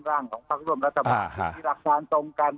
ร่างภักร่วมรัฐบาลที่มีหลักฐานตรงกัน